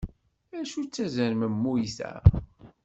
Acu d tazermemmuyt-a?